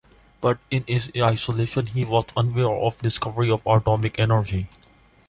But in his isolation, he was unaware of the discovery of atomic energy.